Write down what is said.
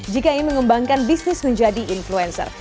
jika ingin mengembangkan bisnis menjadi influencer